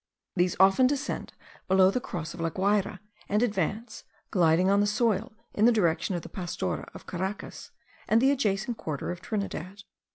These often descend below the Cross of La Guayra, and advance, gliding on the soil, in the direction of the Pastora of Caracas, and the adjacent quarter of Trinidad.